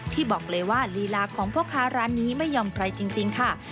ที่บอกเลยว่าลีลาของพ่อค้าร้านนี้ไม่ยอมใครจริงค่ะ